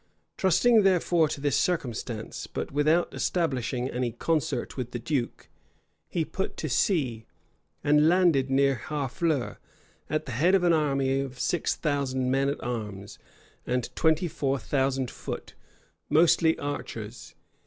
Trusting, therefore, to this circumstance, but without establishing any concert with the duke, he put to sea, and landed near Harfleur, at the head of an army of six thousand men at arms, and twenty four thousand foot, mostly archers.